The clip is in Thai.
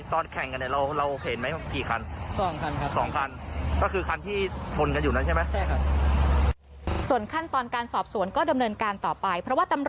เพราะว่าตำรวจจะเชิญมากกว่าที่นี่ค่ะ